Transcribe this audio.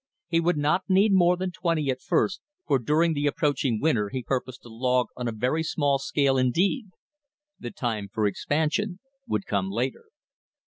He would not need more than twenty at first, for during the approaching winter he purposed to log on a very small scale indeed. The time for expansion would come later.